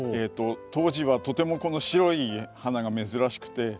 当時はとてもこの白い花が珍しくて。